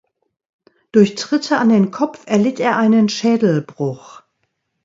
Durch Tritte an den Kopf erlitt er einen Schädelbruch.